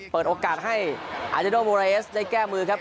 เปิดโอกาสให้อาจารย์โมรีเอสได้แก้มือครับ